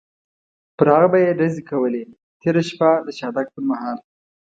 پر هغه به یې ډزې کولې، تېره شپه د شاتګ پر مهال.